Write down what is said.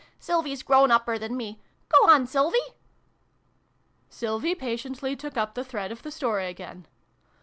Sylvie's grown upper than me. Go on, Sylvie !" Sylvie patiently took up. the thread of the story again.